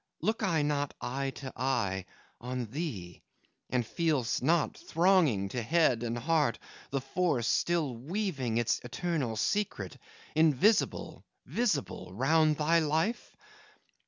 Look I not, eye to eye, on thee, And feel'st not, thronging To head and heart, the force, Still weaving its eternal secret, Invisible, visible, round thy life?